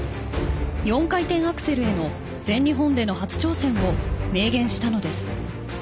４回転アクセルへの全日本初挑戦を明言したのです。